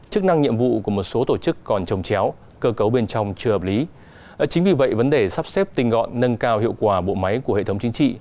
chức năng nhiệm vụ của một số tổ chức còn trồng chéo